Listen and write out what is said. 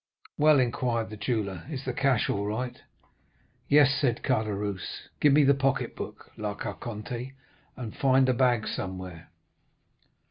"'Well,' inquired the jeweller, 'is the cash all right?' "'Yes,' said Caderousse. 'Give me the pocket book, La Carconte, and find a bag somewhere.